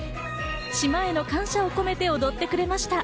島への感謝を込めて踊ってくれました。